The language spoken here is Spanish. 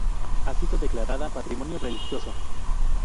Ha sido declarada patrimonio religioso.